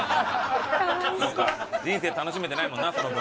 人生楽しめてないもんなその分。